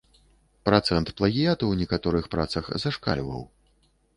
Працэнт плагіяту ў некаторых працах зашкальваў.